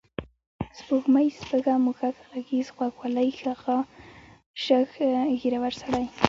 سپوږمۍ، سپږه، موږک، غږیز، غوږ والۍ، خَږا، شَږ، ږېرور سړی